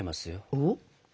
おっ？